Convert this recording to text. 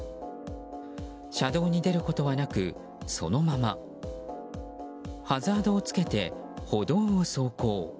車道に出ることはなく、そのままハザードをつけて歩道を走行。